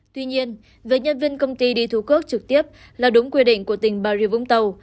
tuy nhiên với nhân viên công ty đi thú cước trực tiếp là đúng quy định của tỉnh bà rìa vũng tàu